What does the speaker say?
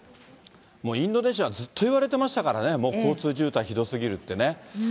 もうインドネシア、ずっといわれてましたからね、もう交通渋滞ひどすぎるってね。